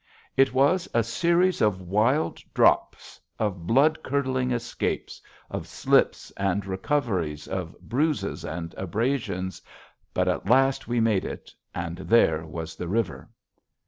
It was a series of wild drops, of blood curdling escapes, of slips and recoveries, of bruises and abrasions. But at last we made it, and there was the river!